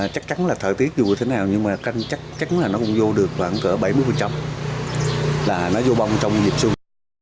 chắc chắn là thời tiết dù thế nào nhưng mà chắc chắn là nó cũng vô được khoảng cỡ bảy mươi là nó vô bông trong dịp xuân